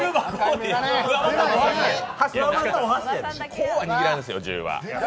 こうは握らんでしょ、１０は。